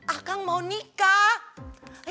akang mau nikah